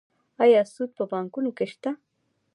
آیا سود په بانکونو کې شته؟